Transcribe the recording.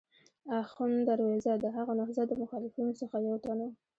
اخوند درویزه د هغه نهضت د مخالفینو څخه یو تن و.